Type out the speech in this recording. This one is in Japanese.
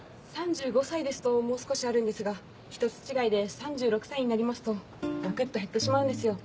・３５歳ですともう少しあるんですが１つ違いで３６歳になりますとガクっと減ってしまうんですよ。